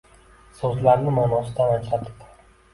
So‘zlarni ma’nosidan ajratib